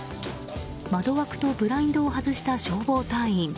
窓枠とブラインドを外した消防隊員。